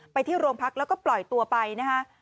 ไปที่โรงพักแล้วก็ปล่อยตัวไปนะฮะ